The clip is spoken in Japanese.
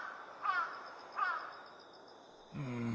うん。